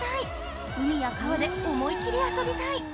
海や川で思い切り遊びたい！